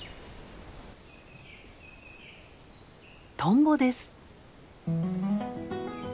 トンボです。